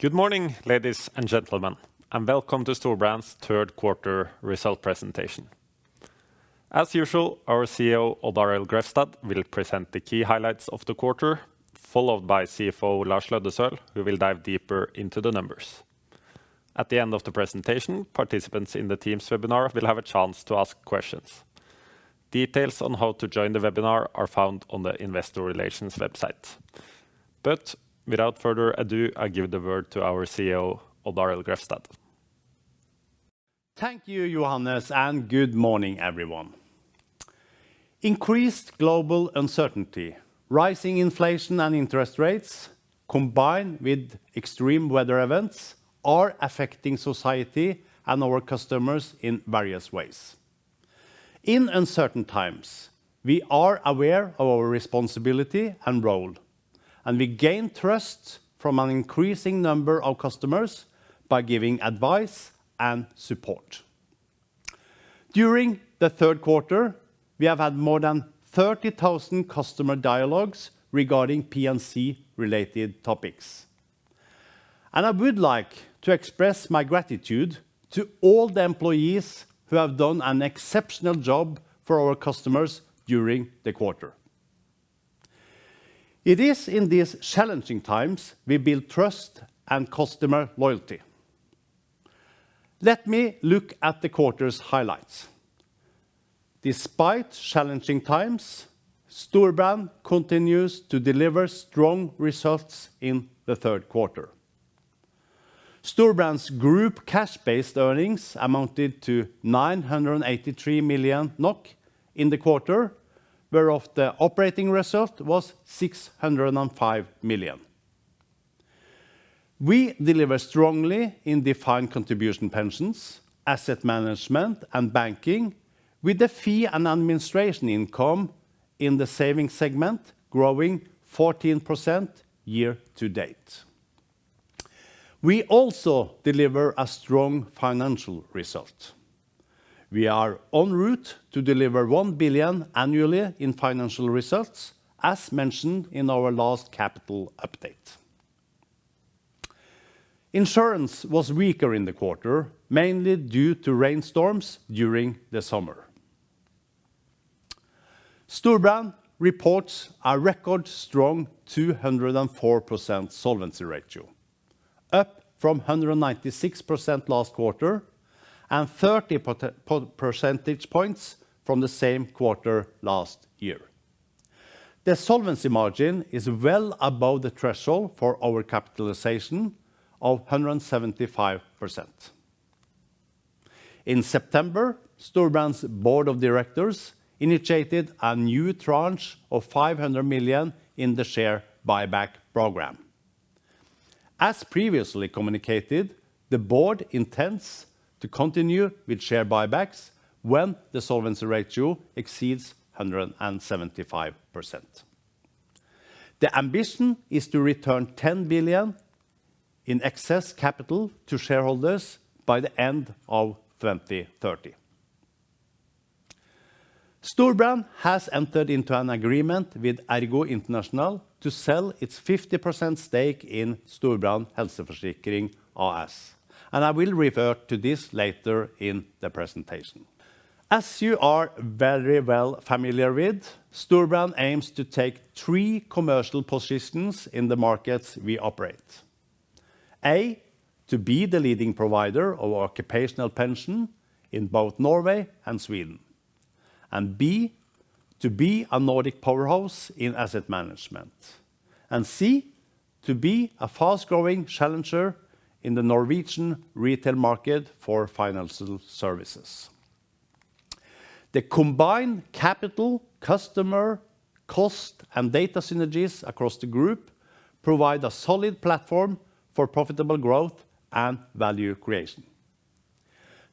Good morning, ladies and gentlemen, and welcome to Storebrand's Q3 results presentation. As usual, our CEO, Odd Arild Grefstad, will present the key highlights of the quarter, followed by CFO Lars Løddesøl, who will dive deeper into the numbers. At the end of the presentation, participants in the Teams webinar will have a chance to ask questions. Details on how to join the webinar are found on the Investor Relations website. But without further ado, I give the word to our CEO, Odd Arild Grefstad. Thank you, Johannes, and good morning, everyone. Increased global uncertainty, rising inflation and interest rates, combined with extreme weather events, are affecting society and our customers in various ways. In uncertain times, we are aware of our responsibility and role, and we gain trust from an increasing number of customers by giving advice and support. During the Q3, we have had more than 30,000 customer dialogues regarding P&C related topics. And I would like to express my gratitude to all the employees who have done an exceptional job for our customers during the quarter. It is in these challenging times we build trust and customer loyalty. Let me look at the quarter's highlights. Despite challenging times, Storebrand continues to deliver strong results in the Q3. Storebrand's group cash-based earnings amounted to 983 million NOK in the quarter, whereof the operating result was 605 million. We deliver strongly in defined contribution pensions, asset management, and banking, with the fee and administration income in the saving segment growing 14% year to date. We also deliver a strong financial result. We are on route to deliver 1 billion annually in financial results, as mentioned in our last capital update. Insurance was weaker in the quarter, mainly due to rainstorms during the summer. Storebrand reports a record strong 204% solvency ratio, up from 196% last quarter and 30 percentage points from the same quarter last year. The solvency margin is well above the threshold for our capitalization of 175%. In September, Storebrand's board of directors initiated a new tranche of 500 million in the share buyback program. As previously communicated, the board intends to continue with share buybacks when the solvency ratio exceeds 175%. The ambition is to return 10 billion in excess capital to shareholders by the end of 2030. Storebrand has entered into an agreement with ERGO International to sell its 50% stake in Storebrand Helseforsikring AS, and I will refer to this later in the presentation. As you are very well familiar with, Storebrand aims to take three commercial positions in the markets we operate: A, to be the leading provider of occupational pension in both Norway and Sweden, and B, to be a Nordic powerhouse in asset management, and C, to be a fast-growing challenger in the Norwegian retail market for financial services. The combined capital, customer, cost, and data synergies across the group provide a solid platform for profitable growth and value creation.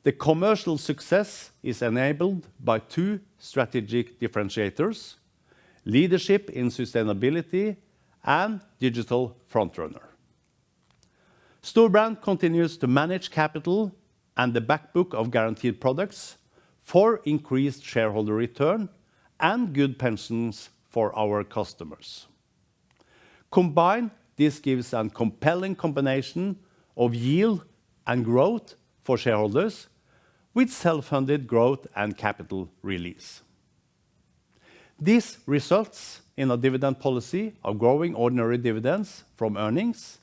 The commercial success is enabled by two strategic differentiators: leadership in sustainability and digital front runner. Storebrand continues to manage capital and the back book of guaranteed products for increased shareholder return and good pensions for our customers. Combined, this gives a compelling combination of yield and growth for shareholders, with self-funded growth and capital release. This results in a dividend policy of growing ordinary dividends from earnings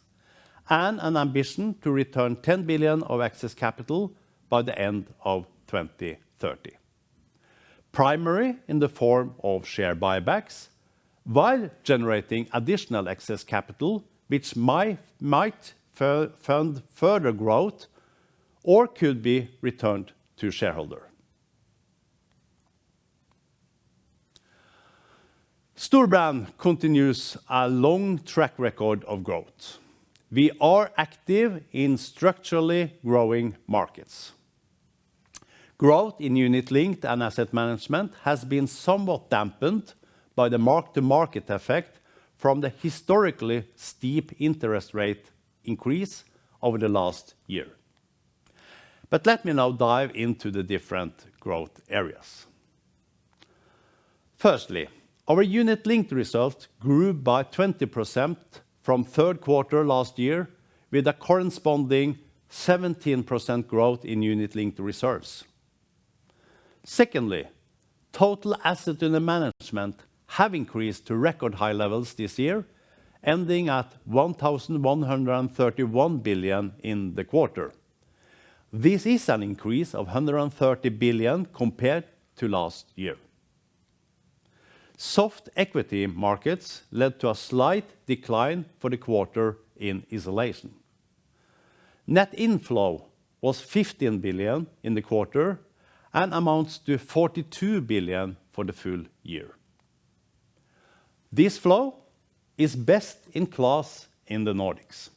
and an ambition to return 10 billion of excess capital by the end of 2030, primarily in the form of share buybacks, while generating additional excess capital, which might fund further growth or could be returned to shareholder. Storebrand continues a long track record of growth. We are active in structurally growing markets. Growth in unit-linked and asset management has been somewhat dampened by the mark-to-market effect from the historically steep interest rate increase over the last year. But let me now dive into the different growth areas... firstly, our unit-linked results grew by 20% from Q3 last year, with a corresponding 17% growth in unit-linked reserves. Secondly, total assets under management have increased to record high levels this year, ending at 1,131 billion in the quarter. This is an increase of 130 billion compared to last year. Soft equity markets led to a slight decline for the quarter in isolation. Net inflow was 15 billion in the quarter and amounts to 42 billion for the full year. This flow is best in class in the Nordics,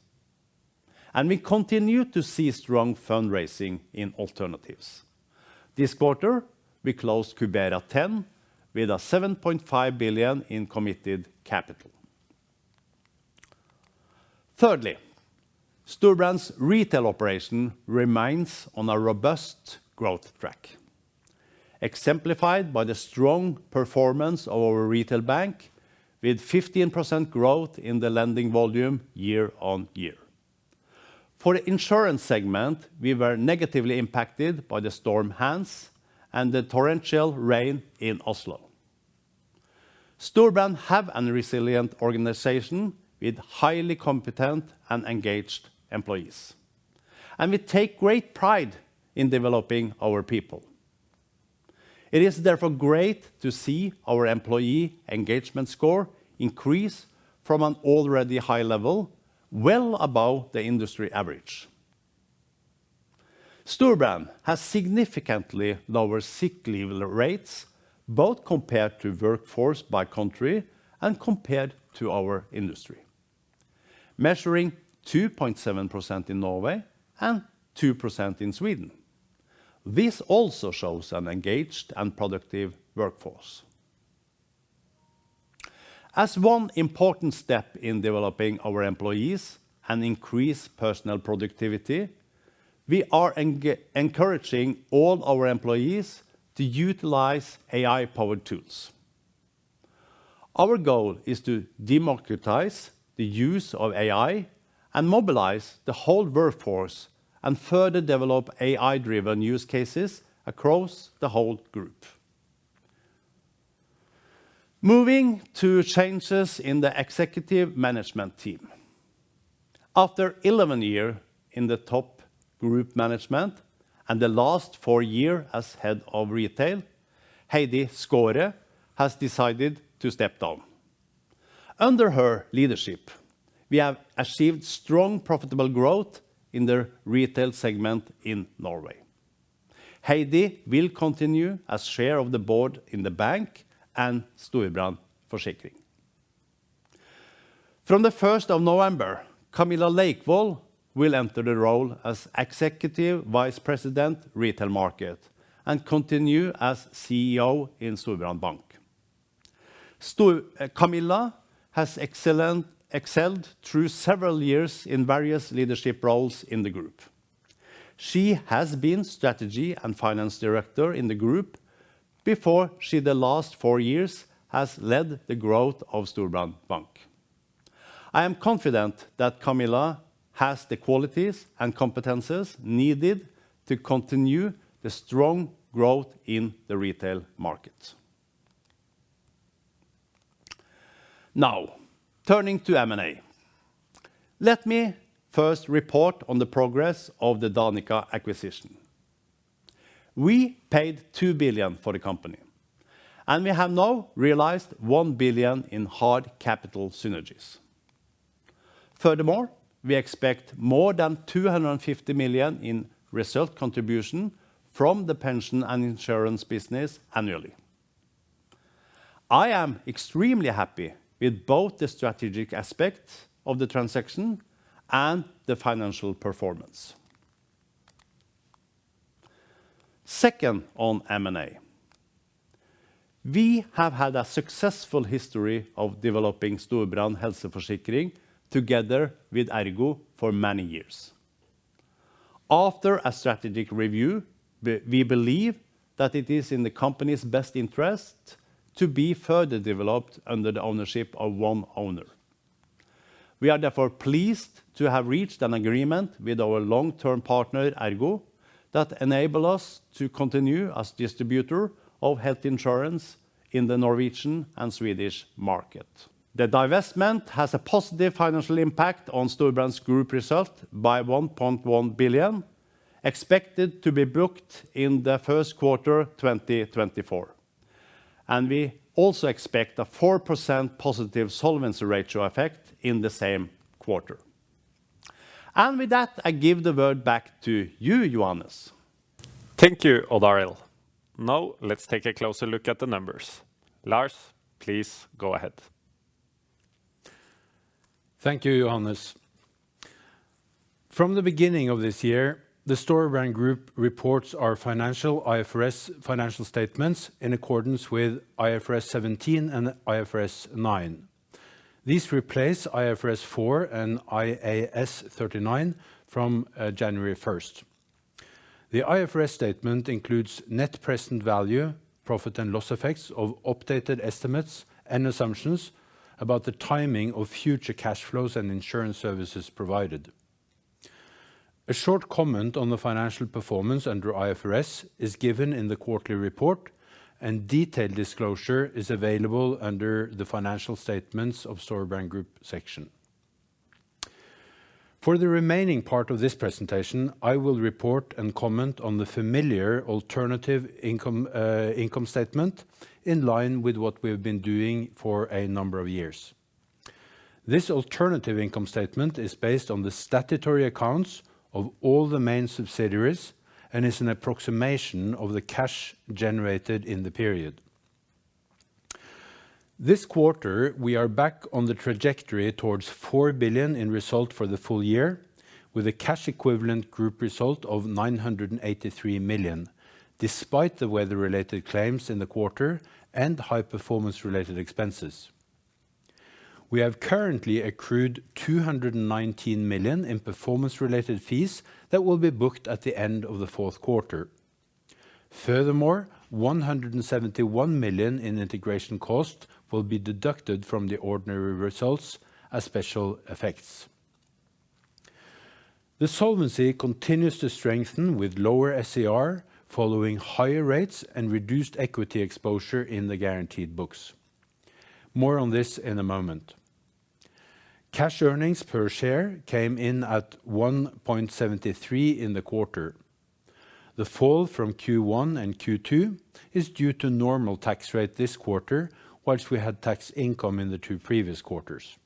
and we continue to see strong fundraising in alternatives. This quarter, we closed Cubera X, with 7.5 billion in committed capital. Thirdly, Storebrand's retail operation remains on a robust growth track, exemplified by the strong performance of our retail bank, with 15% growth in the lending volume year-on-year. For the insurance segment, we were negatively impacted by Storm Hans and the torrential rain in Oslo. Storebrand have a resilient organization with highly competent and engaged employees, and we take great pride in developing our people. It is therefore great to see our employee engagement score increase from an already high level, well above the industry average. Storebrand has significantly lower sick level rates, both compared to workforce by country and compared to our industry, measuring 2.7% in Norway and 2% in Sweden. This also shows an engaged and productive workforce. As one important step in developing our employees and increase personal productivity, we are encouraging all our employees to utilize AI-powered tools. Our goal is to democratize the use of AI and mobilize the whole workforce, and further develop AI-driven use cases across the whole group. Moving to changes in the executive management team. After 11 years in the top group management and the last 4 years as head of retail, Heidi Skaaret has decided to step down. Under her leadership, we have achieved strong, profitable growth in the retail segment in Norway. Heidi will continue as chair of the board in the bank and Storebrand Forsikring. From the first of November, Camilla Leikvoll will enter the role as Executive Vice President, Retail Market, and continue as CEO in Storebrand Bank. Camilla has excelled through several years in various leadership roles in the group. She has been Strategy and Finance Director in the group before she, the last four years, has led the growth of Storebrand Bank. I am confident that Camilla has the qualities and competencies needed to continue the strong growth in the retail market. Now, turning to M&A. Let me first report on the progress of the Danica acquisition. We paid 2 billion for the company, and we have now realized 1 billion in hard capital synergies. Furthermore, we expect more than 250 million in result contribution from the pension and insurance business annually. I am extremely happy with both the strategic aspect of the transaction and the financial performance. Second, on M&A. We have had a successful history of developing Storebrand Helseforsikring together with ERGO for many years. After a strategic review, we believe that it is in the company's best interest to be further developed under the ownership of one owner. We are therefore pleased to have reached an agreement with our long-term partner, ERGO, that enable us to continue as distributor of health insurance in the Norwegian and Swedish market. The divestment has a positive financial impact on Storebrand's group result by 1.1 billion, expected to be booked in the Q1 2024. We also expect a 4% positive solvency ratio effect in the same quarter. With that, I give the word back to you, Johannes. Thank you, Odd Arild. Now, let's take a closer look at the numbers. Lars, please go ahead. Thank you, Johannes. From the beginning of this year, the Storebrand Group reports our financial IFRS financial statements in accordance with IFRS 17 and IFRS 9. These replace IFRS 4 and IAS 39 from January first. The IFRS statement includes net present value, profit and loss effects of updated estimates and assumptions about the timing of future cash flows and insurance services provided. A short comment on the financial performance under IFRS is given in the quarterly report, and detailed disclosure is available under the financial statements of Storebrand Group section. For the remaining part of this presentation, I will report and comment on the familiar alternative income statement, in line with what we've been doing for a number of years. This alternative income statement is based on the statutory accounts of all the main subsidiaries and is an approximation of the cash generated in the period. This quarter, we are back on the trajectory towards 4 billion in result for the full year, with a cash equivalent group result of 983 million, despite the weather-related claims in the quarter and high performance related expenses. We have currently accrued 219 million in performance-related fees that will be booked at the end of the Q4. Furthermore, 171 million in integration costs will be deducted from the ordinary results as special effects. The solvency continues to strengthen, with lower SCR following higher rates and reduced equity exposure in the guaranteed books. More on this in a moment. Cash earnings per share came in at 1.73 in the quarter. The fall from Q1 and Q2 is due to normal tax rate this quarter, while we had tax income in the two previous quarters.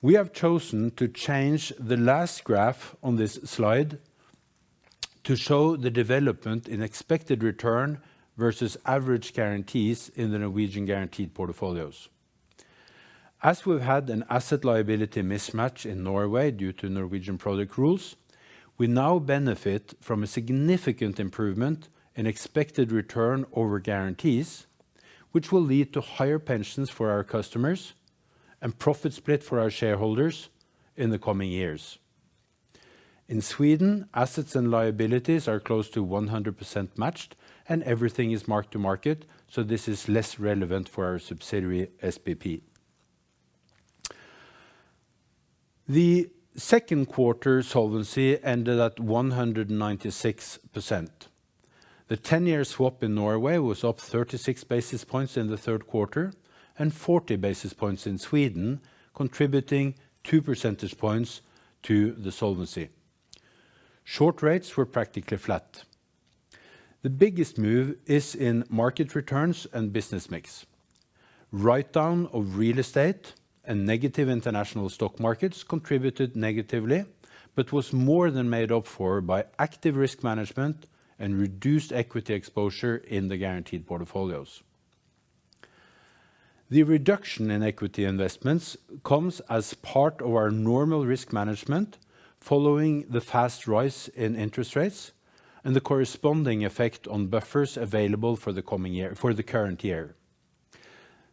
We have chosen to change the last graph on this slide to show the development in expected return versus average guarantees in the Norwegian guaranteed portfolios. As we've had an asset liability mismatch in Norway due to Norwegian product rules, we now benefit from a significant improvement in expected return over guarantees, which will lead to higher pensions for our customers and profit split for our shareholders in the coming years. In Sweden, assets and liabilities are close to 100% matched, and everything is marked to market, so this is less relevant for our subsidiary, SPP. The second quarter solvency ended at 196%. The 10-year swap in Norway was up 36 basis points in the Q3 and 40 basis points in Sweden, contributing 2 percentage points to the solvency. Short rates were practically flat. The biggest move is in market returns and business mix. Write-down of real estate and negative international stock markets contributed negatively, but was more than made up for by active risk management and reduced equity exposure in the guaranteed portfolios. The reduction in equity investments comes as part of our normal risk management, following the fast rise in interest rates and the corresponding effect on buffers available for the coming year, for the current year.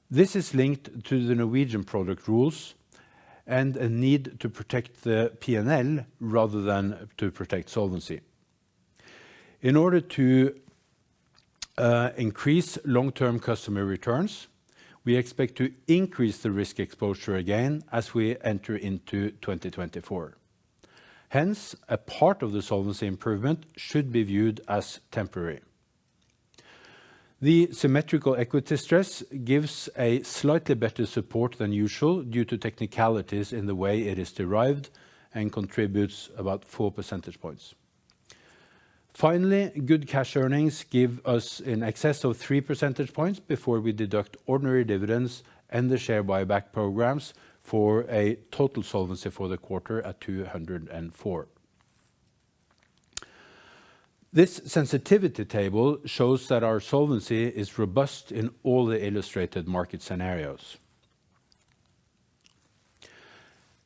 This is linked to the Norwegian product rules and a need to protect the P&L rather than to protect solvency. In order to increase long-term customer returns, we expect to increase the risk exposure again as we enter into 2024. Hence, a part of the solvency improvement should be viewed as temporary. The Symmetrical Equity Stress gives a slightly better support than usual due to technicalities in the way it is derived and contributes about 4 percentage points. Finally, good cash earnings give us in excess of 3 percentage points before we deduct ordinary dividends and the share buyback programs for a total solvency for the quarter at 204. This sensitivity table shows that our solvency is robust in all the illustrated market scenarios.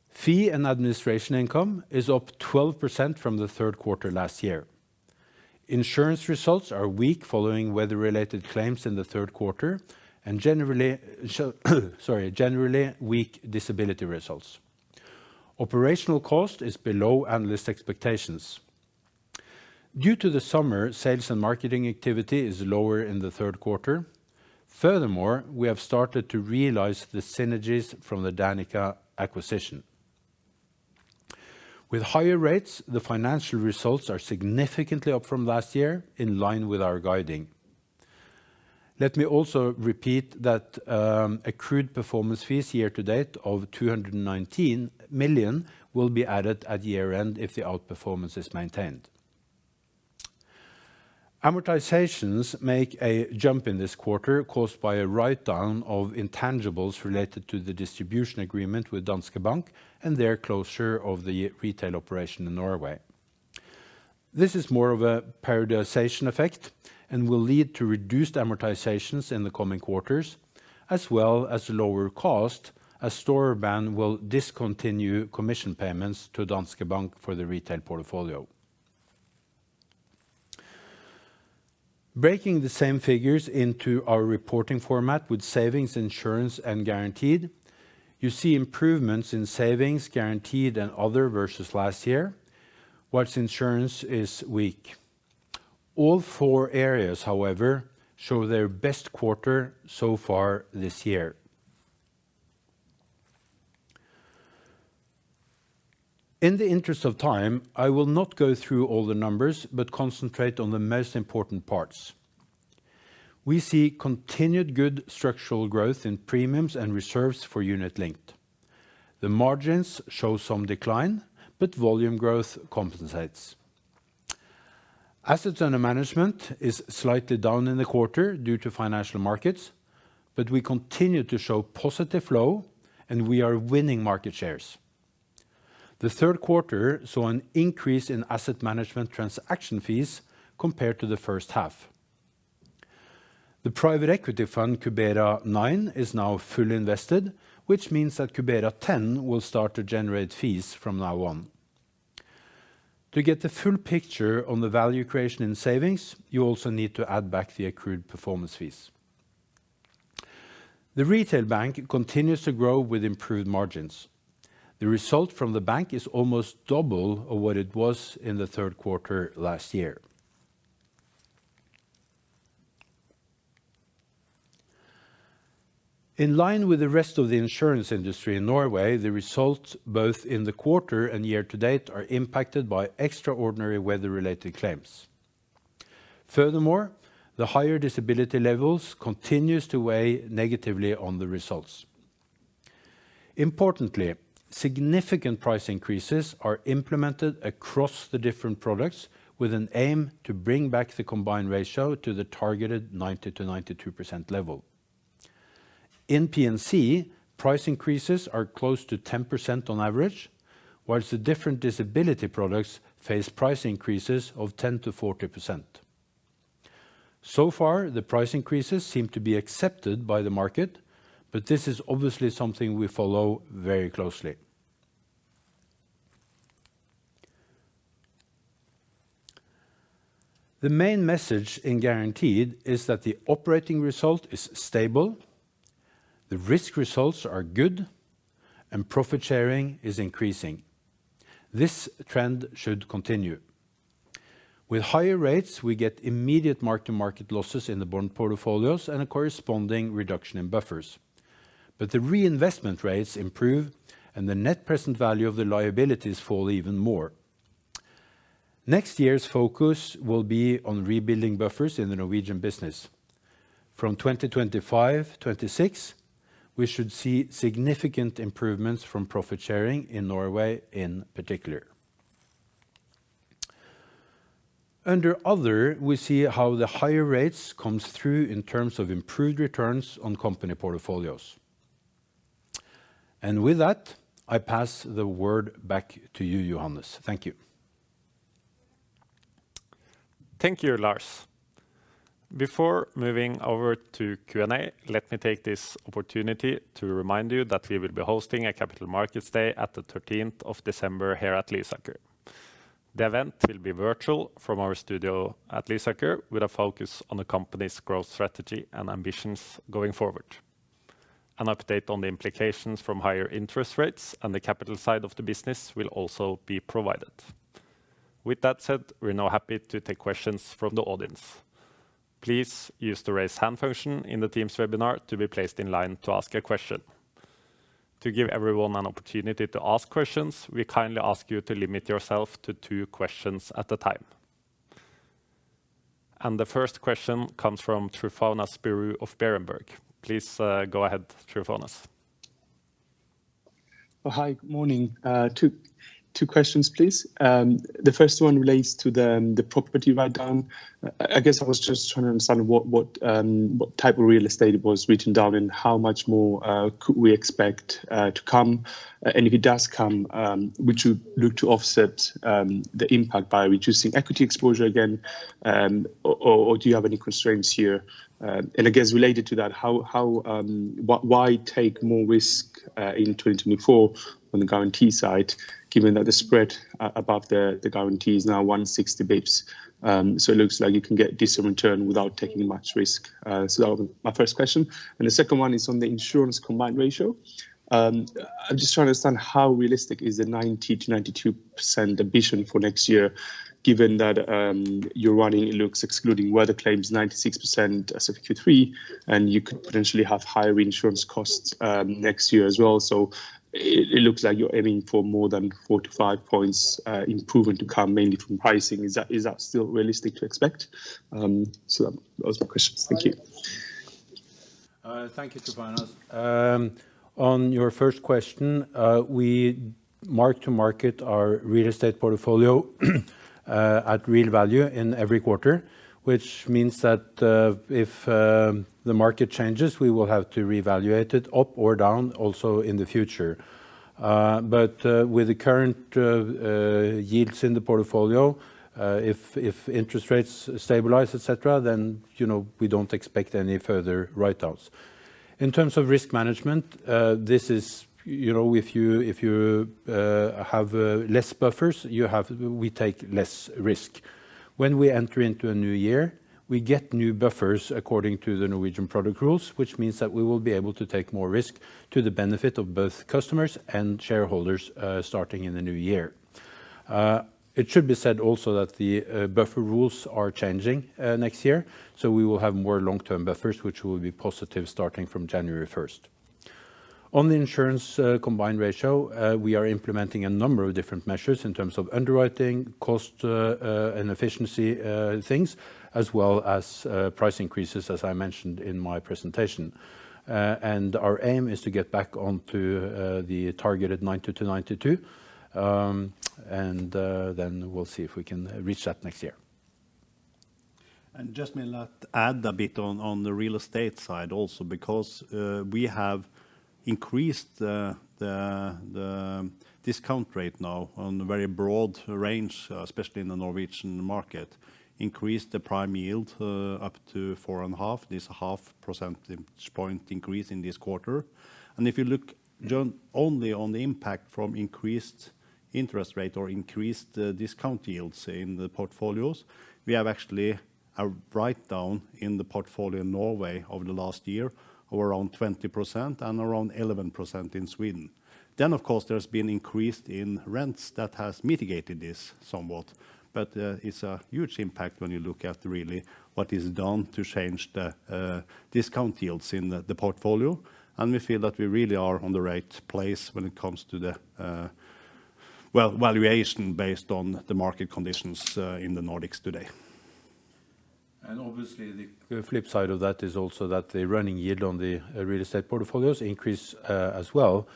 Fee and administration income is up 12% from the Q3 last year. Insurance results are weak, following weather-related claims in the Q3 and generally weak disability results. Operational cost is below analyst expectations. Due to the summer, sales and marketing activity is lower in the Q3. Furthermore, we have started to realize the synergies from the Danica acquisition. With higher rates, the financial results are significantly up from last year, in line with our guiding. Let me also repeat that, accrued performance fees year to date of 219 million will be added at year-end if the outperformance is maintained. Amortizations make a jump in this quarter, caused by a write-down of intangibles related to the distribution agreement with Danske Bank and their closure of the retail operation in Norway. This is more of a periodization effect and will lead to reduced amortizations in the coming quarters, as well as lower cost, as Storebrand will discontinue commission payments to Danske Bank for the retail portfolio. Breaking the same figures into our reporting format with savings, insurance, and guaranteed, you see improvements in savings guaranteed and other versus last year, while insurance is weak. All four areas, however, show their best quarter so far this year. In the interest of time, I will not go through all the numbers, but concentrate on the most important parts. We see continued good structural growth in premiums and reserves for Unit Linked. The margins show some decline, but volume growth compensates. Assets under management is slightly down in the quarter due to financial markets, but we continue to show positive flow, and we are winning market shares. The Q3 saw an increase in asset management transaction fees compared to the first half. The private equity fund, Cubera IX, is now fully invested, which means that Cubera X will start to generate fees from now on. To get the full picture on the value creation and savings, you also need to add back the accrued performance fees. The retail bank continues to grow with improved margins. The result from the bank is almost double of what it was in the Q3 last year. In line with the rest of the insurance industry in Norway, the results, both in the quarter and year to date, are impacted by extraordinary weather-related claims. Furthermore, the higher disability levels continues to weigh negatively on the results. Importantly, significant price increases are implemented across the different products, with an aim to bring back the combined ratio to the targeted 90%-92% level. In P&C, price increases are close to 10% on average, while the different disability products face price increases of 10%-40%. So far, the price increases seem to be accepted by the market, but this is obviously something we follow very closely. The main message in Guaranteed is that the operating result is stable, the risk results are good, and profit sharing is increasing. This trend should continue. With higher rates, we get immediate mark-to-market losses in the bond portfolios and a corresponding reduction in buffers. But the reinvestment rates improve, and the net present value of the liabilities fall even more. Next year's focus will be on rebuilding buffers in the Norwegian business. From 2025, 2026, we should see significant improvements from profit sharing in Norway in particular. Under other, we see how the higher rates comes through in terms of improved returns on company portfolios. And with that, I pass the word back to you, Johannes. Thank you. Thank you, Lars. Before moving over to Q&A, let me take this opportunity to remind you that we will be hosting a capital markets day at the thirteenth of December here at Lysaker. The event will be virtual from our studio at Lysaker, with a focus on the company's growth strategy and ambitions going forward. An update on the implications from higher interest rates and the capital side of the business will also be provided. With that said, we're now happy to take questions from the audience. Please use the Raise Hand function in the team's webinar to be placed in line to ask a question. To give everyone an opportunity to ask questions, we kindly ask you to limit yourself to two questions at a time. And the first question comes from Tryfonas Spyrou of Berenberg. Please, go ahead, Tryfonas. Oh, hi, good morning. Two questions, please. The first one relates to the property write down. I guess I was just trying to understand what type of real estate was written down, and how much more could we expect to come? And if it does come, would you look to offset the impact by reducing equity exposure again, or do you have any constraints here? And I guess related to that, why take more risk in 2024 on the guarantee side, given that the spread above the guarantee is now 160 bips? So it looks like you can get decent return without taking much risk. So that was my first question. And the second one is on the insurance Combined Ratio. I'm just trying to understand how realistic is the 90%-92% ambition for next year, given that you're running, it looks, excluding weather claims, 96% as of Q3, and you could potentially have higher insurance costs next year as well. So it looks like you're aiming for more than 45 points improvement to come, mainly from pricing. Is that still realistic to expect? So those are my questions. Thank you. Thank you, Tryfonas. On your first question, we mark to market our real estate portfolio at real value in every quarter, which means that if the market changes, we will have to reevaluate it up or down, also in the future. But with the current yields in the portfolio, if interest rates stabilize, et cetera, then, you know, we don't expect any further write-downs. In terms of risk management, this is, you know, if you have less buffers, we take less risk. When we enter into a new year, we get new buffers according to the Norwegian product rules, which means that we will be able to take more risk to the benefit of both customers and shareholders, starting in the new year. It should be said also that the buffer rules are changing next year, so we will have more long-term buffers, which will be positive starting from January 1st. On the insurance combined ratio, we are implementing a number of different measures in terms of underwriting, cost, and efficiency things, as well as price increases, as I mentioned in my presentation. And our aim is to get back on to the targeted 90-92. And then we'll see if we can reach that next year. And just may I not add a bit on the real estate side also, because we have increased the discount rate now on a very broad range, especially in the Norwegian market. Increased the prime yield up to 4.5, this 0.5 percentage point increase in this quarter. And if you look just only on the impact from increased interest rate or increased discount yields in the portfolios, we have actually a write down in the portfolio in Norway over the last year of around 20% and around 11% in Sweden. Then, of course, there has been increased in rents that has mitigated this somewhat, but it's a huge impact when you look at really what is done to change the discount yields in the portfolio. We feel that we really are on the right place when it comes to the well, valuation based on the market conditions in the Nordics today. Obviously, the flip side of that is also that the running yield on the real estate portfolios increase as well,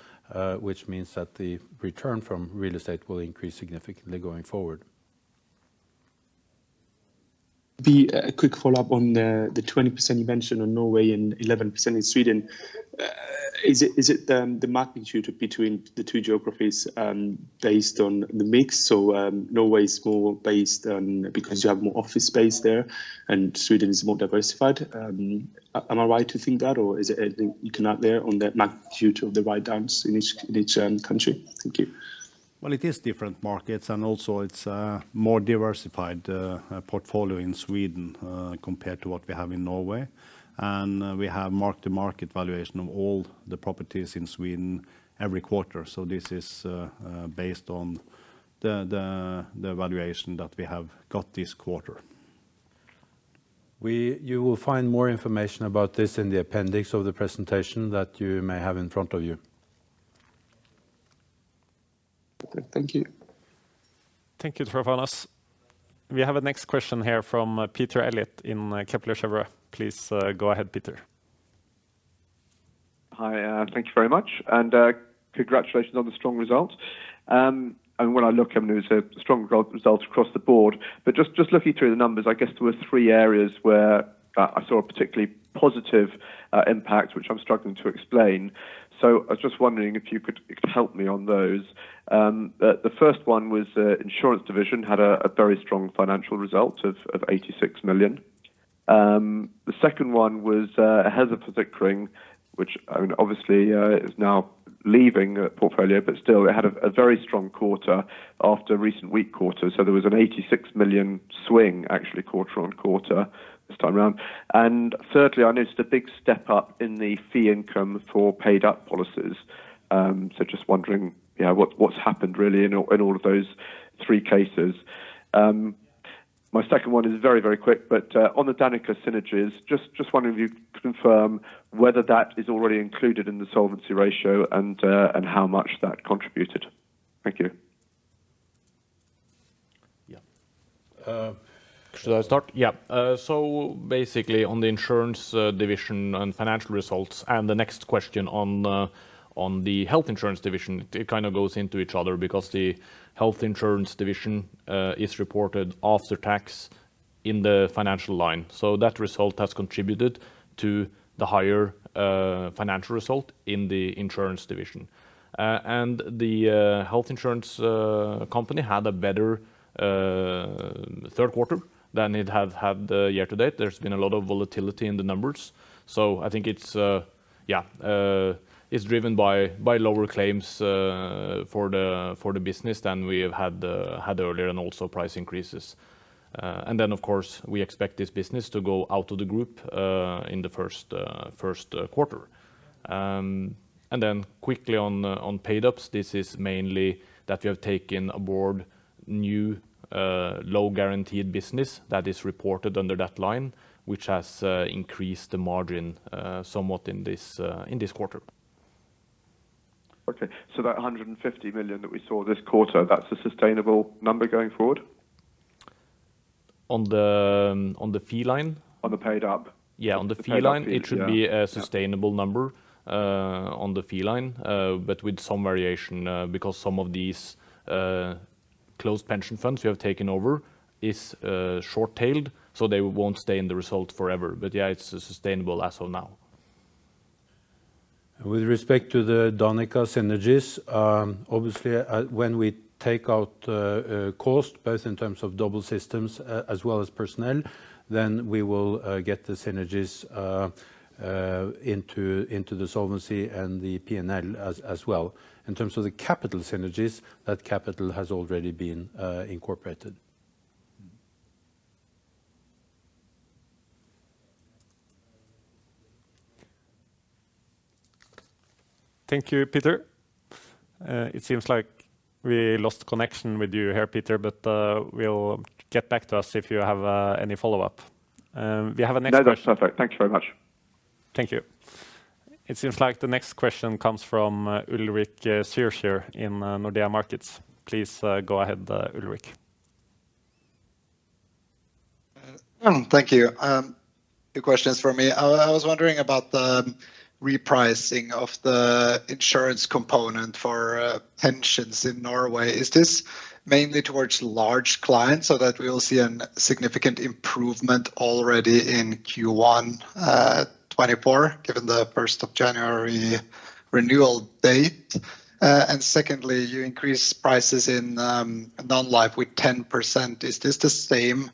which means that the return from real estate will increase significantly going forward. The quick follow-up on the 20% you mentioned on Norway and 11% in Sweden. Is it the magnitude between the two geographies based on the mix? So, Norway is more based on because you have more office space there and Sweden is more diversified. Am I right to think that, or is it anything you can add there on the magnitude of the write-downs in each country? Thank you. Well, it is different markets, and also it's a more diversified portfolio in Sweden compared to what we have in Norway. And, we have mark-to-market valuation of all the properties in Sweden every quarter. So this is based on the valuation that we have got this quarter. You will find more information about this in the appendix of the presentation that you may have in front of you. Thank you. Thank you, Tryfonas. We have a next question here from Peter Eliot in Kepler Cheuvreux. Please, go ahead, Peter. Hi, thank you very much. And congratulations on the strong results. And when I look, I mean, there's strong results across the board, but just looking through the numbers, I guess there were three areas where I saw a particularly positive impact, which I'm struggling to explain. So I was just wondering if you could help me on those. The first one was insurance division had a very strong financial result of 86 million. The second one was Helseforsikring, which, I mean, obviously, is now leaving the portfolio, but still it had a very strong quarter after recent weak quarters. So there was an 86 million swing, actually, quarter-over-quarter this time around. And thirdly, I noticed a big step up in the fee income for paid-up policies. So just wondering, yeah, what, what's happened really in all, in all of those three cases? My second one is very, very quick, but on the Danica synergies, just, just wondering if you confirm whether that is already included in the solvency ratio and how much that contributed. Thank you. Yeah. Should I start? Yeah. So basically, on the insurance division and financial results, and the next question on the health insurance division, it kind of goes into each other because the health insurance division is reported after tax in the financial line. So that result has contributed to the higher financial result in the insurance division. And the health insurance company had a better Q3 than it had had year to date. There's been a lot of volatility in the numbers. So I think it's yeah, it's driven by, by lower claims for the business than we have had earlier, and also price increases. And then, of course, we expect this business to go out of the group in the Q1. And then quickly on paid-ups, this is mainly that we have taken aboard new low-guaranteed business that is reported under that line, which has increased the margin somewhat in this quarter. Okay. So that 150 million that we saw this quarter, that's a sustainable number going forward? On the fee line? On the paid-up. Yeah, on the fee line- Paid up, yeah... it should be a sustainable number, on the fee line, but with some variation, because some of these, closed pension funds we have taken over is short-tailed, so they won't stay in the result forever. But yeah, it's sustainable as of now. With respect to the Danica synergies, obviously, when we take out cost, both in terms of double systems as well as personnel, then we will get the synergies into the solvency and the PNL as well. In terms of the capital synergies, that capital has already been incorporated. Thank you, Peter. It seems like we lost connection with you here, Peter, but we'll get back to us if you have any follow-up. We have a next question- No, that's perfect. Thank you very much. Thank you. It seems like the next question comes from Ulrik Zürcher in Nordea Markets. Please, go ahead, Ulrik. Thank you. Two questions for me. I was wondering about the repricing of the insurance component for pensions in Norway. Is this mainly towards large clients so that we will see a significant improvement already in Q1, 2024, given the first of January renewal date? And secondly, you increase prices in non-life with 10%. Is this the same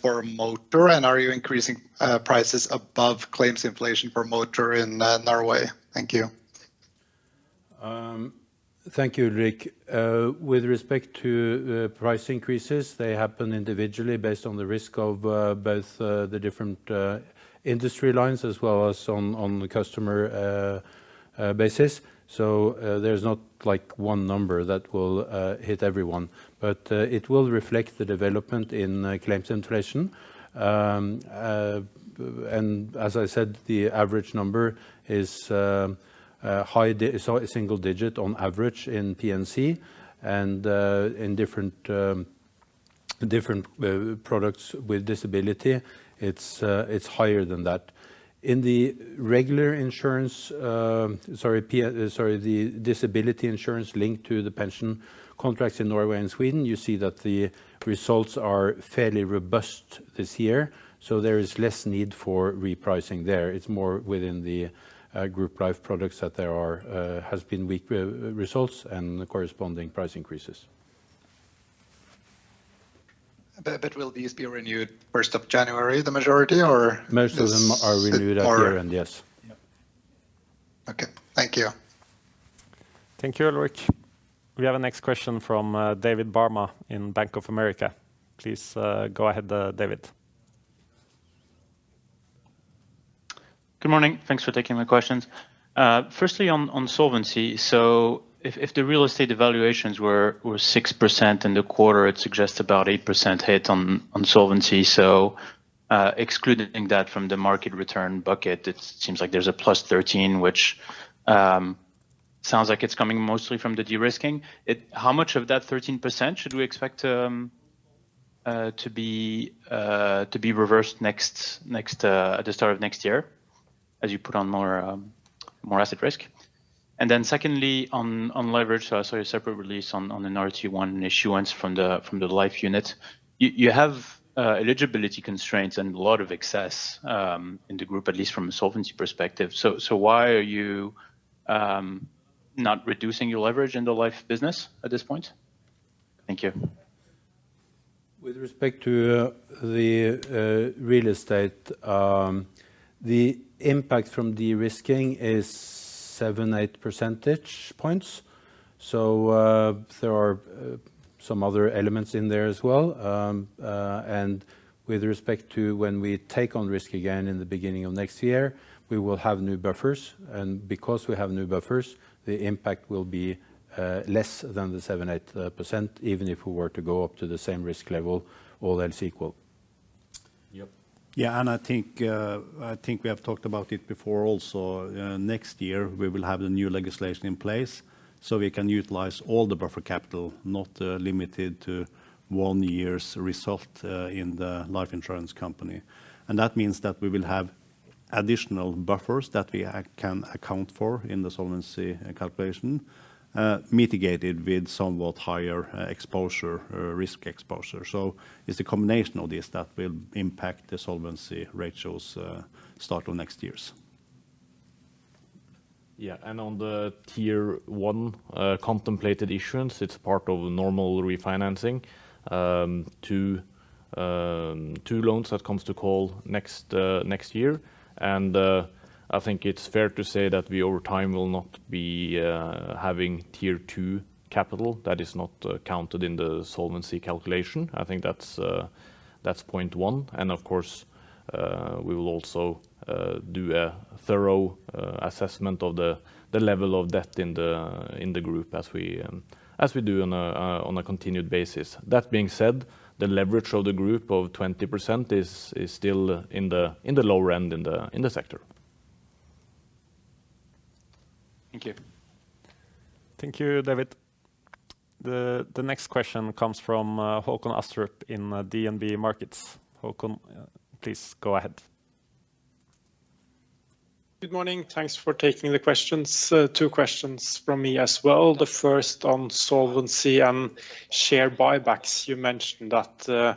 for motor, and are you increasing prices above claims inflation per motor in Norway? Thank you. Thank you, Ulrik. With respect to price increases, they happen individually based on the risk of both the different industry lines as well as on the customer basis. So, there's not, like, one number that will hit everyone. But, it will reflect the development in claims inflation. And as I said, the average number is a single digit on average in P&C and in different products with disability, it's higher than that. In the regular insurance, sorry, the disability insurance linked to the pension contracts in Norway and Sweden, you see that the results are fairly robust this year, so there is less need for repricing there. It's more within the group life products that there has been weak results and the corresponding price increases. But will these be renewed first of January, the majority, or- Most of them are renewed that year, and yes. Okay. Thank you. Thank you, Ulrik. We have our next question from David Tarman in Bank of America. Please, go ahead, David. Good morning. Thanks for taking my questions. Firstly, on solvency, so if the real estate valuations were 6% in the quarter, it suggests about 8% hit on solvency. So, excluding that from the market return bucket, it seems like there's a +13%, which sounds like it's coming mostly from the de-risking. How much of that 13% should we expect to be reversed next at the start of next year, as you put on more asset risk? And then secondly, on leverage, so a separate release on the RT1 issuance from the life unit. You have eligibility constraints and a lot of excess in the group, at least from a solvency perspective. So, why are you not reducing your leverage in the life business at this point? Thank you. With respect to the real estate, the impact from de-risking is 7-8 percentage points. So, there are some other elements in there as well. And with respect to when we take on risk again in the beginning of next year, we will have new buffers, and because we have new buffers, the impact will be less than the 7-8%, even if we were to go up to the same risk level, all else equal. Yep. Yeah, and I think I think we have talked about it before also. Next year, we will have the new legislation in place, so we can utilize all the buffer capital, not limited to one year's result, in the life insurance company. And that means that we will have additional buffers that we can account for in the solvency calculation, mitigated with somewhat higher exposure, risk exposure. So it's a combination of this that will impact the solvency ratios, start of next year. Yeah, and on the Tier 1 contemplated issuance, it's part of normal refinancing, 2, 2 loans that comes to call next, next year. And, I think it's fair to say that we, over time, will not be, having Tier 2 capital. That is not, counted in the solvency calculation. I think that's, that's point 1. And of course, we will also, do a thorough, assessment of the, the level of debt in the, in the group as we, as we do on a, on a continued basis. That being said, the leverage of the group of 20% is, is still in the, in the lower end in the, in the sector. Thank you. Thank you, David. The next question comes from Håkon Astrup in DNB Markets. Håkon, please go ahead. ... Good morning. Thanks for taking the questions. Two questions from me as well. The first on solvency and share buybacks. You mentioned that,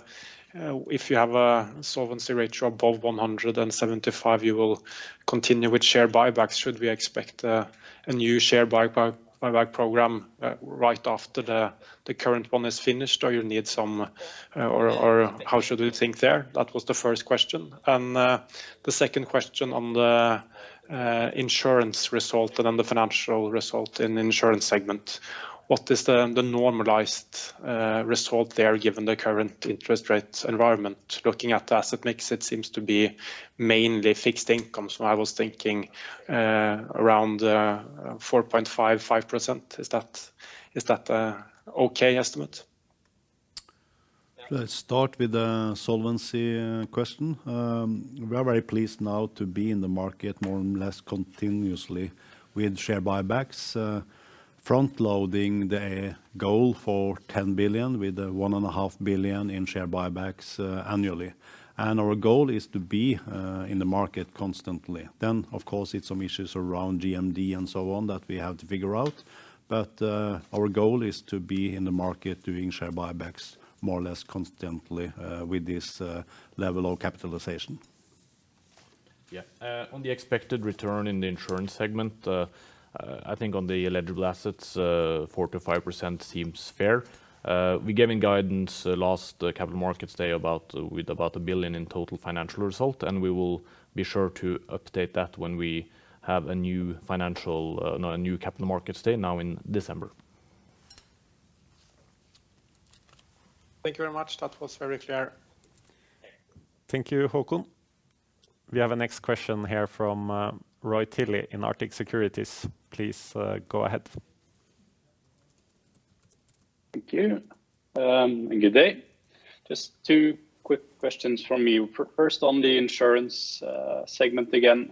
if you have a solvency ratio above 175, you will continue with share buybacks. Should we expect, a new share buyback, buyback program, right after the, the current one is finished, or you need some, or how should we think there? That was the first question. And, the second question on the, insurance result and on the financial result in insurance segment. What is the, normalized, result there, given the current interest rate environment? Looking at the asset mix, it seems to be mainly fixed income. So I was thinking, around, four point five, five percent. Is that, a okay estimate? Let's start with the solvency question. We are very pleased now to be in the market more and less continuously with share buybacks, front loading the goal for 10 billion, with 1.5 billion in share buybacks annually. And our goal is to be in the market constantly. Then, of course, it's some issues around GMT and so on, that we have to figure out. But our goal is to be in the market doing share buybacks, more or less constantly with this level of capitalization. Yeah. On the expected return in the insurance segment, I think on the eligible assets, 4%-5% seems fair. We gave in guidance last Capital Markets Day about, with about 1 billion in total financial result, and we will be sure to update that when we have a new financial, no, a new Capital Markets Day now in December. Thank you very much. That was very clear. Thank you, Håkon. We have a next question here from Roy Tilley in Arctic Securities. Please, go ahead. Thank you, and good day. Just two quick questions from me. First, on the insurance segment again.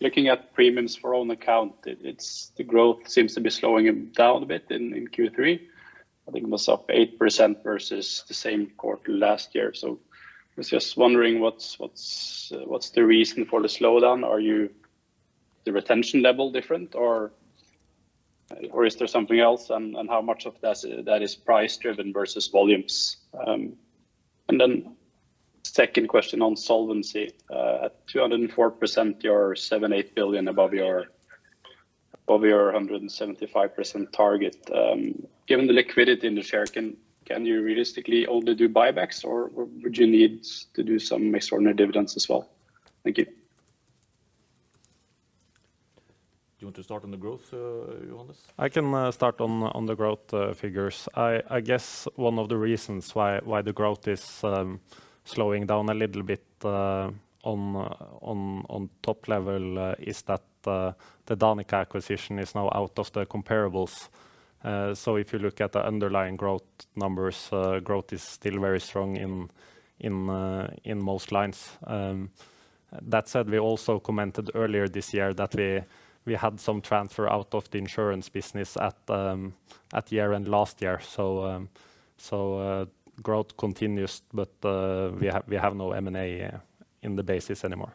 Looking at premiums for own account, the growth seems to be slowing down a bit in Q3. I think it was up 8% versus the same quarter last year. So I was just wondering what's the reason for the slowdown? Is the retention level different, or is there something else? And how much of that is price driven versus volumes? And then second question on solvency. At 204%, you're 7-8 billion above your 175% target. Given the liquidity in the share, can you realistically only do buybacks, or would you need to do some extraordinary dividends as well? Thank you. Do you want to start on the growth, Johannes? I can start on the growth figures. I guess one of the reasons why the growth is slowing down a little bit on top level is that the Danica acquisition is now out of the comparables. So if you look at the underlying growth numbers, growth is still very strong in most lines. That said, we also commented earlier this year that we had some transfer out of the insurance business at year end last year. So growth continues, but we have no M&A in the basis anymore.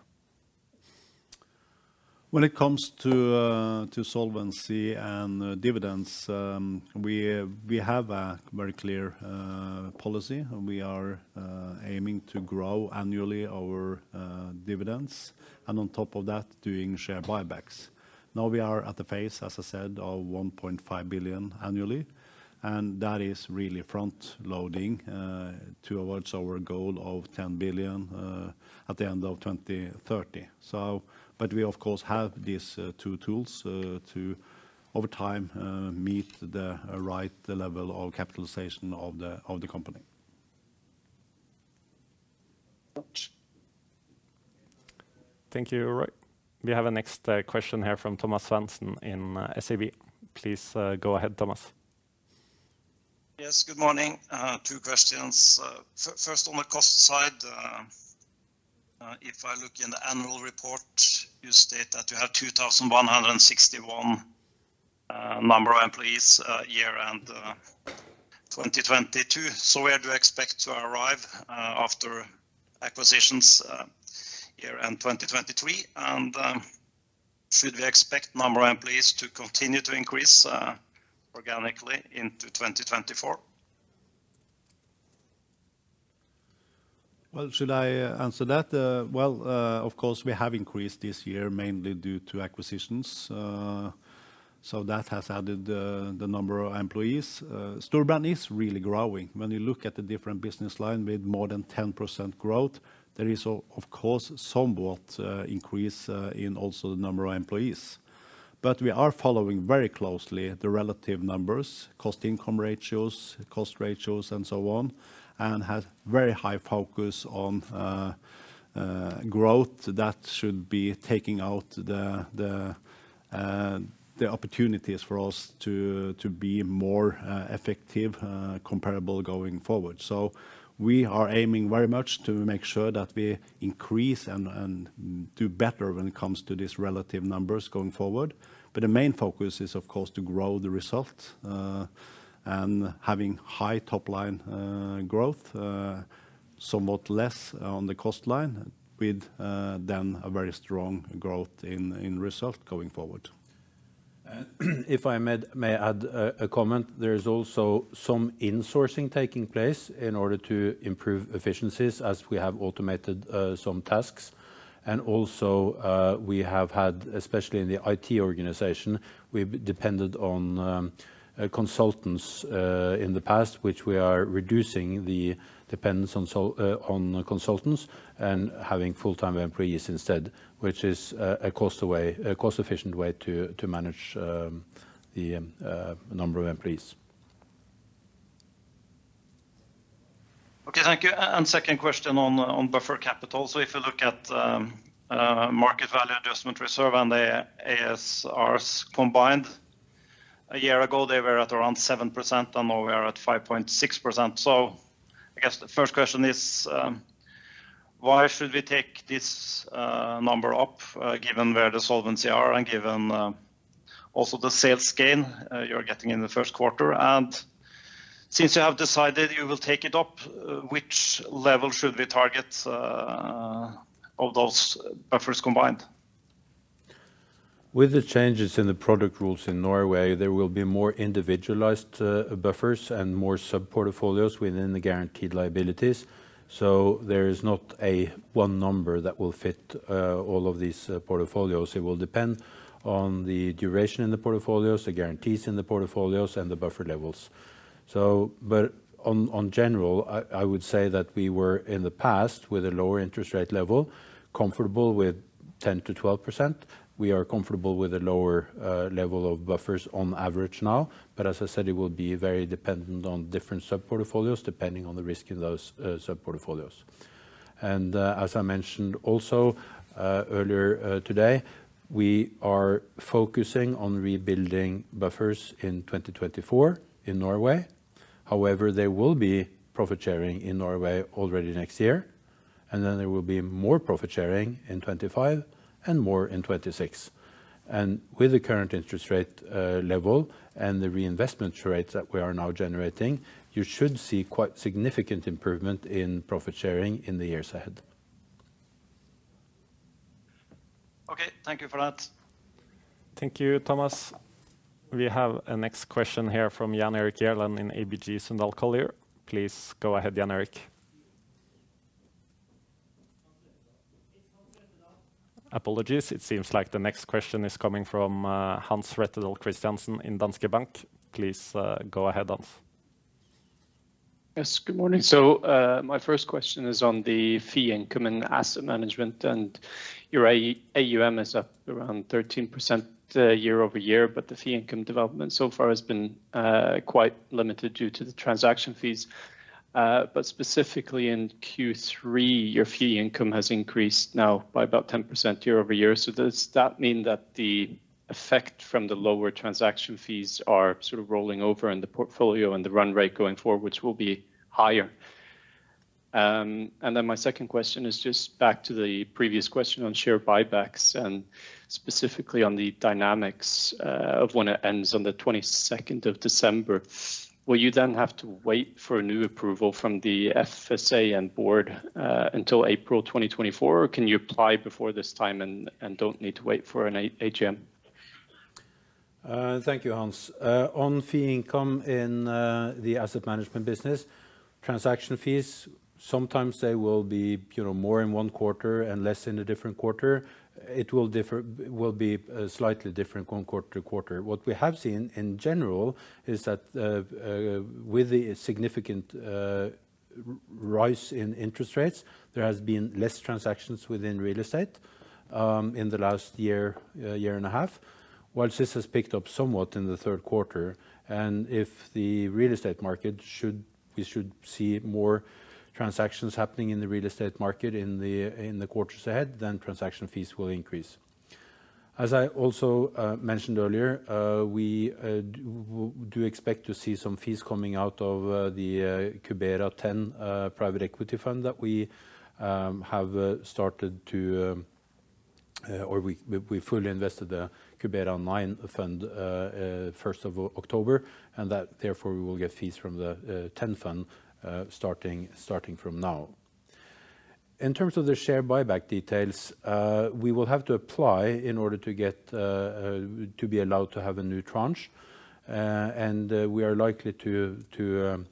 When it comes to solvency and dividends, we have a very clear policy, and we are aiming to grow annually our dividends, and on top of that, doing share buybacks. Now, we are at the phase, as I said, of 1.5 billion annually, and that is really front loading towards our goal of 10 billion at the end of 2030. So, but we of course have these two tools to over time meet the right level of capitalization of the company. Thanks. Thank you, Roy. We have a next question here from Thomas Svendsen in SEB. Please go ahead, Thomas. Yes, good morning. Two questions. First, on the cost side, if I look in the annual report, you state that you have 2,161 number of employees, year end, 2022. So where do you expect to arrive, after acquisitions, year end, 2023? And, should we expect number of employees to continue to increase, organically into 2024? Well, should I answer that? Well, of course, we have increased this year, mainly due to acquisitions, so that has added the number of employees. Storebrand is really growing. When you look at the different business line with more than 10% growth, there is of course somewhat increase in also the number of employees. But we are following very closely the relative numbers, cost income ratios, cost ratios, and so on, and have very high focus on growth that should be taking out the opportunities for us to be more effective comparable going forward. So we are aiming very much to make sure that we increase and do better when it comes to these relative numbers going forward. But the main focus is, of course, to grow the results, and having high top line, growth, somewhat less on the cost line, with then a very strong growth in result going forward.... If I may add a comment, there is also some insourcing taking place in order to improve efficiencies as we have automated some tasks. And also, we have had, especially in the IT organization, we've depended on consultants in the past, which we are reducing the dependence on so on consultants and having full-time employees instead, which is a cost away, a cost-efficient way to manage the number of employees. Okay, thank you. And second question on buffer capital. So if you look at market value adjustment reserve and the ASRs combined, a year ago, they were at around 7%, and now we are at 5.6%. So I guess the first question is why should we take this number up given where the solvency are and given also the sales gain you're getting in the Q1? And since you have decided you will take it up, which level should we target of those buffers combined? With the changes in the product rules in Norway, there will be more individualized buffers and more sub-portfolios within the guaranteed liabilities. So there is not one number that will fit all of these portfolios. It will depend on the duration in the portfolios, the guarantees in the portfolios, and the buffer levels. So, but in general, I would say that we were, in the past, with a lower interest rate level, comfortable with 10%-12%. We are comfortable with a lower level of buffers on average now, but as I said, it will be very dependent on different sub-portfolios, depending on the risk in those sub-portfolios. And, as I mentioned also earlier today, we are focusing on rebuilding buffers in 2024 in Norway. However, there will be profit sharing in Norway already next year, and then there will be more profit sharing in 2025 and more in 2026. And with the current interest rate level and the reinvestment rates that we are now generating, you should see quite significant improvement in profit sharing in the years ahead. Okay, thank you for that. Thank you, Thomas. We have a next question here from Jan Erik Gjerland in ABG Sundal Collier. Please go ahead, Jan Erik. Apologies, it seems like the next question is coming from Hans Rødtjer Christiansen in Danske Bank. Please go ahead, Hans. Yes, good morning. So, my first question is on the fee income and asset management, and your AUM is up around 13%, year-over-year, but the fee income development so far has been quite limited due to the transaction fees. But specifically in Q3, your fee income has increased now by about 10% year-over-year. So does that mean that the effect from the lower transaction fees are sort of rolling over in the portfolio and the run rate going forward, which will be higher? And then my second question is just back to the previous question on share buybacks and specifically on the dynamics of when it ends on the 22nd of December. Will you then have to wait for a new approval from the FSA and board, until April 2024, or can you apply before this time and don't need to wait for an AGM? Thank you, Hans. On fee income in the asset management business, transaction fees sometimes they will be, you know, more in one quarter and less in a different quarter. It will be slightly different from quarter to quarter. What we have seen in general is that with the significant rise in interest rates, there has been less transactions within real estate in the last year and a half, whilst this has picked up somewhat in the Q3. And if the real estate market should, we should see more transactions happening in the real estate market in the quarters ahead, then transaction fees will increase. As I also mentioned earlier, we do expect to see some fees coming out of the Cubera X private equity fund that we have started to or we fully invested the Cubera IX fund first of October, and that therefore we will get fees from the X fund starting from now. In terms of the share buyback details, we will have to apply in order to get to be allowed to have a new tranche. We are likely to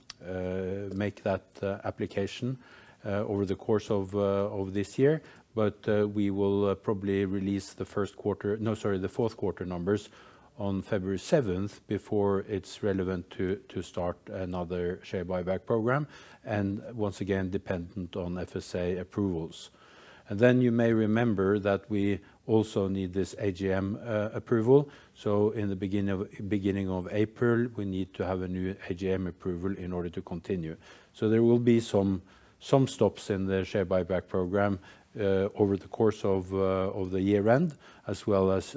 make that application over the course of this year. We will probably release the Q1... No, sorry, the Q4 numbers on February 7, before it's relevant to start another share buyback program, and once again, dependent on FSA approvals. And then you may remember that we also need this AGM approval. So in the beginning of April, we need to have a new AGM approval in order to continue. So there will be some stops in the share buyback program over the course of the year-end, as well as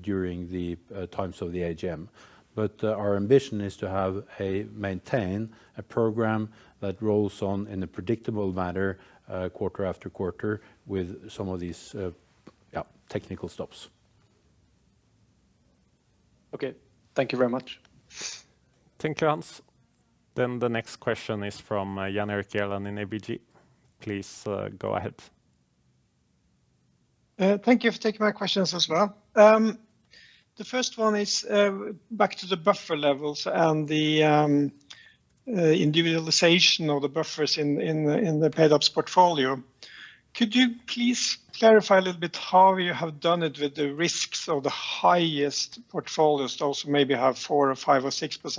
during the times of the AGM. But our ambition is to have a maintain a program that rolls on in a predictable manner quarter after quarter, with some of these technical stops. Okay. Thank you very much.... Thank you, Hans. Then the next question is from Jan Erik Gjerland in ABG. Please go ahead. Thank you for taking my questions as well. The first one is, back to the buffer levels and the individualization of the buffers in the paid-ups portfolio. Could you please clarify a little bit how you have done it with the risks of the highest portfolios, those who maybe have 4%, 5%, or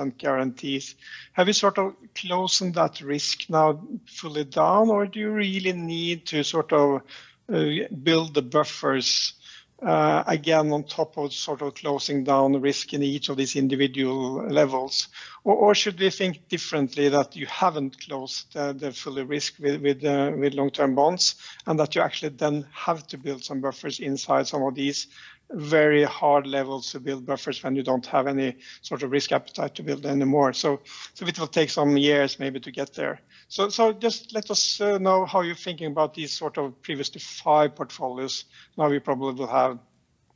6% guarantees? Have you sort of closing that risk now fully down, or do you really need to sort of build the buffers again on top of sort of closing down the risk in each of these individual levels? Or should we think differently, that you haven't closed the fully risk with with long-term bonds, and that you actually then have to build some buffers inside some of these very hard levels to build buffers when you don't have any sort of risk appetite to build anymore? So it will take some years maybe to get there. So just let us know how you're thinking about these sort of previously five portfolios. Now, we probably will have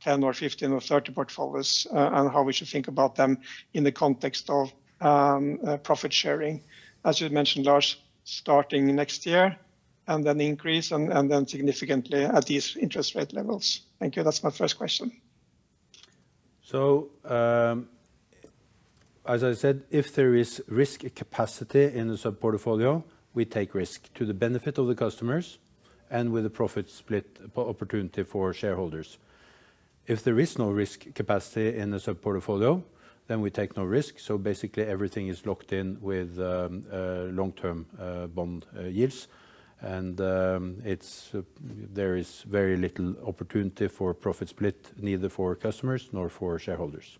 10 or 15 or 30 portfolios, and how we should think about them in the context of profit sharing. As you mentioned, Lars, starting next year, and then increase and then significantly at these interest rate levels. Thank you. That's my first question. So, as I said, if there is risk capacity in the sub-portfolio, we take risk to the benefit of the customers and with a profit split opportunity for shareholders. If there is no risk capacity in the sub-portfolio, then we take no risk. So basically, everything is locked in with long-term bond yields. And it's... There is very little opportunity for profit split, neither for customers nor for shareholders.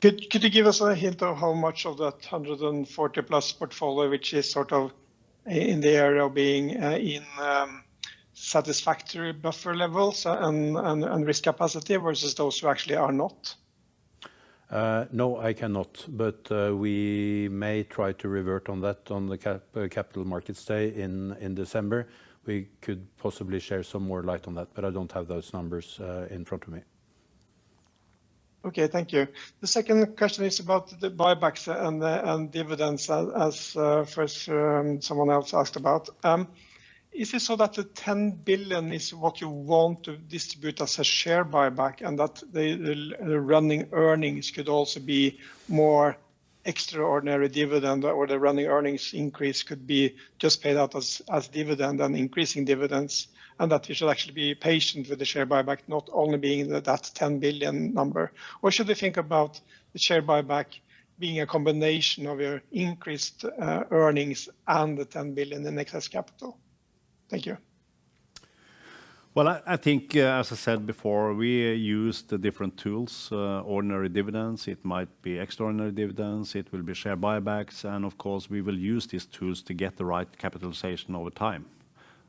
Could you give us a hint of how much of that 140+ portfolio, which is sort of in the area of being in satisfactory buffer levels and risk capacity, versus those who actually are not? No, I cannot. But, we may try to revert on that on the Capital Markets Day in December. We could possibly share some more light on that, but I don't have those numbers in front of me. Okay. Thank you. The second question is about the buybacks and the dividends, as someone else asked about first. Is it so that the 10 billion is what you want to distribute as a share buyback, and that the running earnings could also be more extraordinary dividend, or the running earnings increase could be just paid out as dividend and increasing dividends, and that you should actually be patient with the share buyback, not only being in that 10 billion number? Or should we think about the share buyback being a combination of your increased earnings and the 10 billion in excess capital? Thank you. Well, I think, as I said before, we use the different tools, ordinary dividends, it might be extraordinary dividends, it will be share buybacks, and of course, we will use these tools to get the right capitalization over time.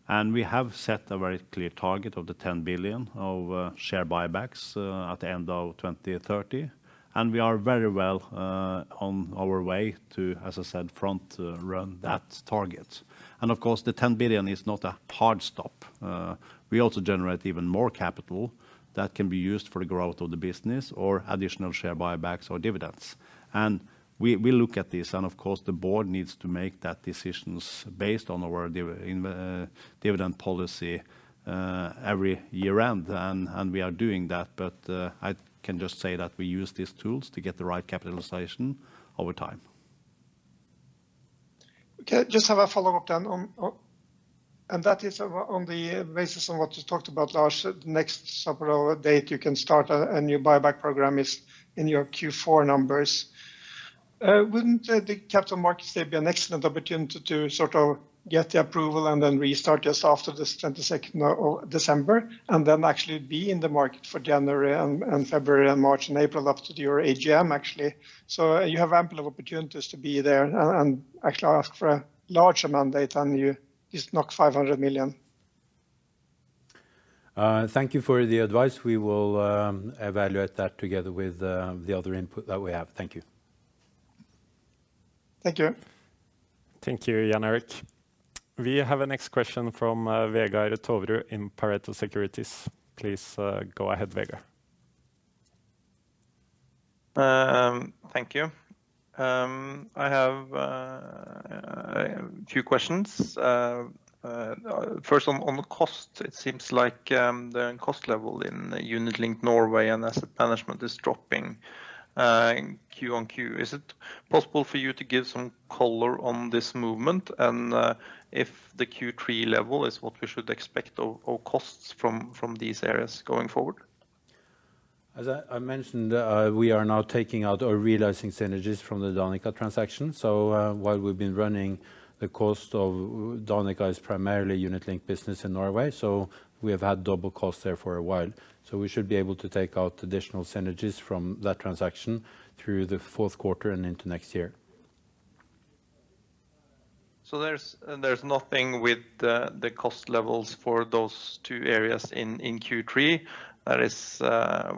And we have set a very clear target of 10 billion of share buybacks at the end of 2030, and we are very well on our way to, as I said, front-run that target. And of course, the 10 billion is not a hard stop. We also generate even more capital that can be used for the growth of the business or additional share buybacks or dividends. And we look at this, and of course, the board needs to make that decision based on our dividend policy every year end, and we are doing that. But I can just say that we use these tools to get the right capitalization over time. Okay, just have a follow-up then on the basis of what you talked about, Lars. The next separate date you can start a new buyback program is in your Q4 numbers. Wouldn't the Capital Markets Day be an excellent opportunity to sort of get the approval and then restart just after the twenty-second of December, and then actually be in the market for January and February and March and April, up to your AGM, actually? So you have ample opportunities to be there and actually ask for a larger mandate, and you just knock 500 million. Thank you for the advice. We will evaluate that together with the other input that we have. Thank you. Thank you. Thank you, Jan Erik. We have a next question from Vegard Toverud in Pareto Securities. Please, go ahead, Vegard. Thank you. I have a few questions. First, on the cost, it seems like the cost level in Unit Linked Norway and Asset Management is dropping, Q-on-Q. Is it possible for you to give some color on this movement and if the Q3 level is what we should expect of costs from these areas going forward? As I mentioned, we are now taking out or realizing synergies from the Danica transaction. So, while we've been running the cost of Danica's primarily Unit Linked business in Norway, so we have had double costs there for a while. So we should be able to take out additional synergies from that transaction through the Q4 and into next year. So there's nothing with the cost levels for those two areas in Q3 that is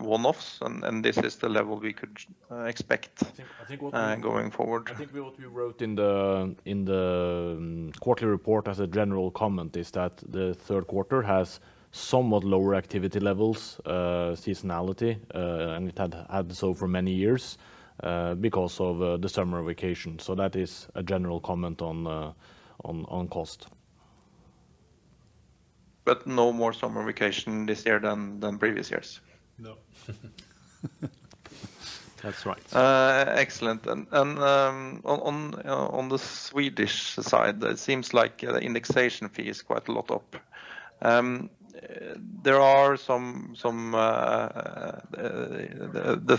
one-offs, and this is the level we could expect- I think what we- going forward? I think what we wrote in the quarterly report as a general comment is that the Q3 has somewhat lower activity levels, seasonality, and it had so for many years because of the summer vacation. So that is a general comment on cost. ... but no more summer vacation this year than previous years? No. That's right. Excellent. On the Swedish side, it seems like the indexation fee is quite a lot up. The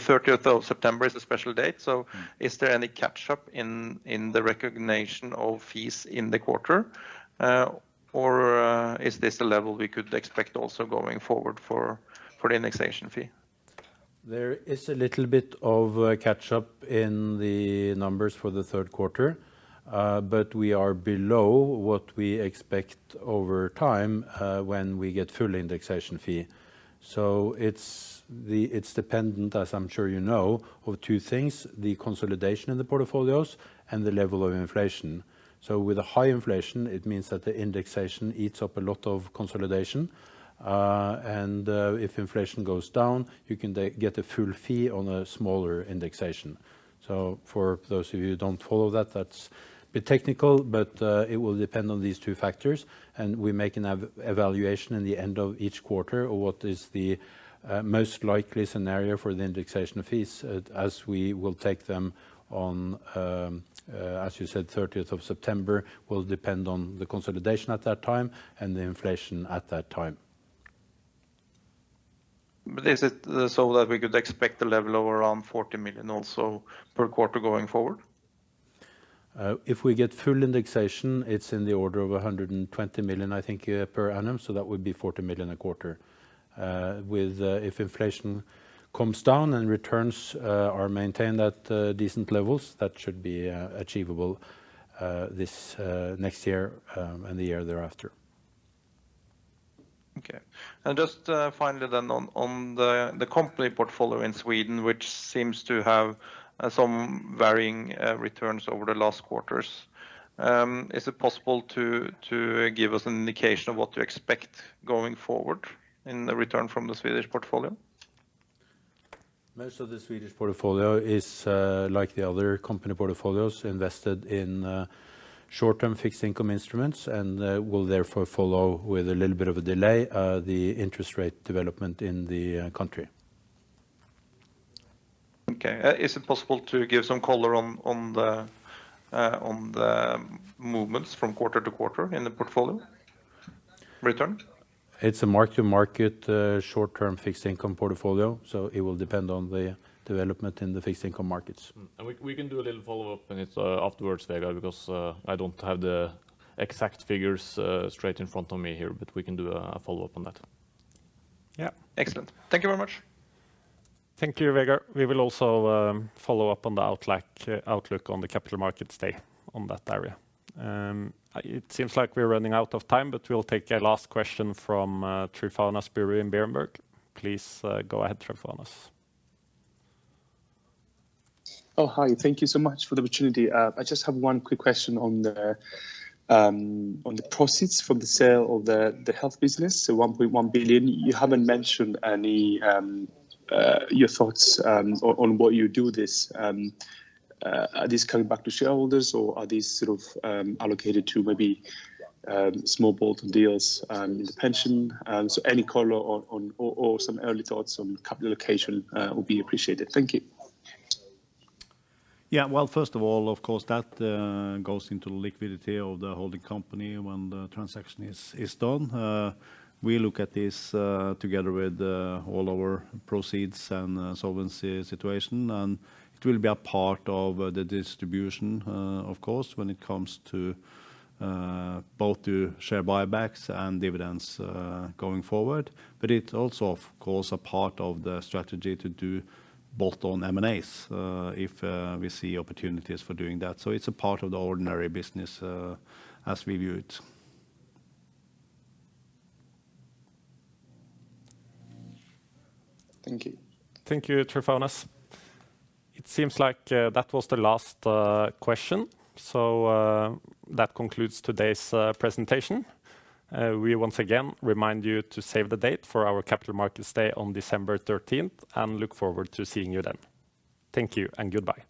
thirtieth of September is a special date, so is there any catch up in the recognition of fees in the quarter? Or is this a level we could expect also going forward for the indexation fee? There is a little bit of catch up in the numbers for the Q3. But we are below what we expect over time, when we get full indexation fee. So it's dependent, as I'm sure you know, of two things, the consolidation in the portfolios and the level of inflation. So with a high inflation, it means that the indexation eats up a lot of consolidation. And if inflation goes down, you can then get a full fee on a smaller indexation. So for those of you who don't follow that, that's a bit technical, but it will depend on these two factors, and we make an evaluation in the end of each quarter of what is the most likely scenario for the indexation fees, as we will take them on, as you said, thirtieth of September, will depend on the consolidation at that time and the inflation at that time. Is it so that we could expect a level of around 40 million also per quarter going forward? If we get full indexation, it's in the order of 120 million, I think, per annum, so that would be 40 million a quarter. With if inflation comes down and returns are maintained at decent levels, that should be achievable this next year, and the year thereafter. Okay. And just, finally, then on the company portfolio in Sweden, which seems to have some varying returns over the last quarters, is it possible to give us an indication of what to expect going forward in the return from the Swedish portfolio? Most of the Swedish portfolio is, like the other company portfolios, invested in short-term fixed income instruments, and will therefore follow with a little bit of a delay the interest rate development in the country. Okay. Is it possible to give some color on the movements from quarter to quarter in the portfolio return? It's a mark-to-market, short-term fixed income portfolio, so it will depend on the development in the fixed income markets. We can do a little follow-up on it afterwards, Vegard, because I don't have the exact figures straight in front of me here, but we can do a follow-up on that. Yeah. Excellent. Thank you very much. Thank you, Vegard. We will also follow up on the outlook on the Capital Markets Day on that area. It seems like we're running out of time, but we'll take a last question from Tryfonas Spyrou in Berenberg. Please go ahead, Tryfonas. Oh, hi. Thank you so much for the opportunity. I just have one quick question on the proceeds from the sale of the health business, the 1.1 billion. You haven't mentioned any your thoughts on what you do this are these coming back to shareholders, or are these sort of allocated to maybe small bolt-on deals in the pension? So any color on or some early thoughts on capital allocation will be appreciated. Thank you. Yeah, well, first of all, of course, that goes into the liquidity of the holding company when the transaction is done. We look at this together with all our proceeds and solvency situation, and it will be a part of the distribution, of course, when it comes to both to share buybacks and dividends going forward. But it's also, of course, a part of the strategy to do bolt-on M&As if we see opportunities for doing that. So it's a part of the ordinary business as we view it. Thank you. Thank you, Tryfonas. It seems like that was the last question, so that concludes today's presentation. We once again remind you to save the date for our Capital Markets Day on December thirteenth, and look forward to seeing you then. Thank you and goodbye.